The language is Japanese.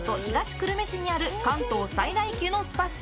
久留米市にある関東最大級のスパ施設